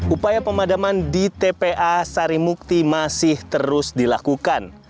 upaya pemadaman di tpa sarimukti masih terus dilakukan